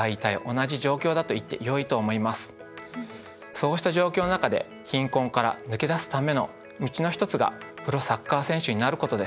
そうした状況の中で貧困から抜け出すための道の一つがプロサッカー選手になることです。